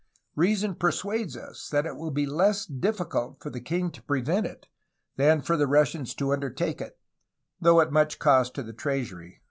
Reason persuades us that it will be less difficult for the king to prevent it than for the Russians to undertake it, though at much cost to the treasury."